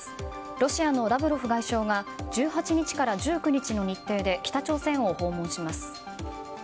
ロシアのラブロフ外相が１８日から１９日の日程で北朝鮮を訪問します。